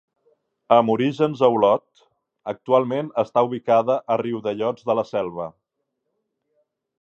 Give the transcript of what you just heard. Amb orígens a Olot, actualment està ubicada a Riudellots de la Selva.